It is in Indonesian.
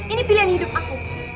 ini pilihan hidup aku